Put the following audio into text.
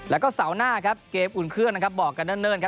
แล้วก็เสาหน้าเกฟอุ่นเครื่องบอกกันเนิ่น